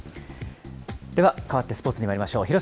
では、変わってスポーツにまいりましょう。